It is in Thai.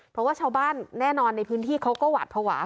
เพราะว่าชาวบ้านแน่นอนในพื้นที่เขาก็หวาดภาวะ